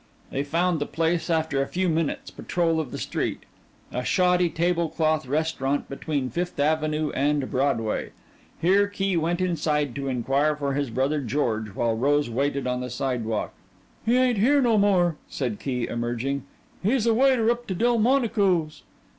They found the place after a few minutes' patrol of the street a shoddy tablecloth restaurant between Fifth Avenue and Broadway. Here Key went inside to inquire for his brother George, while Rose waited on the sidewalk. "He ain't here no more," said Key emerging. "He's a waiter up to Delmonico's."